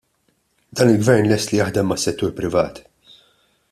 Dan il-Gvern lest li jaħdem mas-settur privat.